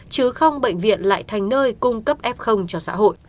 chứ không bệnh viện lại thành nơi cung cấp f cho xã hội